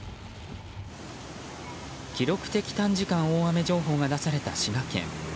記録的短時間大雨情報が出された滋賀県。